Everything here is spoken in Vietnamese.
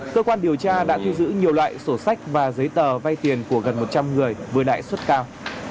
cơ quan điều tra đã thu giữ nhiều loại sổ sách và giấy tờ vây tiền của gần một trăm linh người với đại suất cao